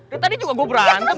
dia tadi juga gue berantem